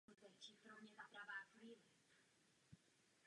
Chovají se zde ovce a kozy.